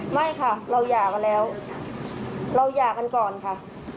ไม่ค่ะเราหย่ากันแล้วเราหย่ากันก่อนค่ะ